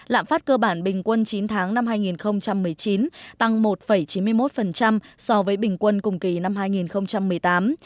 lạm phát cơ bản bình quân chín tháng năm hai nghìn một mươi chín tăng một chín mươi một so với bình quân cùng kỳ năm hai nghìn một mươi tám